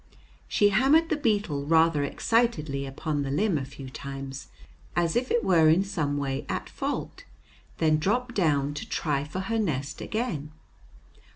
She hammered the beetle rather excitedly upon the limb a few times, as if it were in some way at fault, then dropped down to try for her nest again.